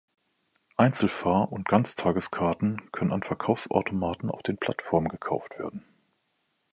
Einzelfahr- und Ganztageskarten können an Verkaufsautomaten auf den Plattformen gekauft werden.